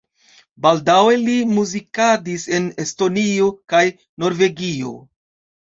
Baldaŭe li muzikadis en Estonio kaj Norvegio.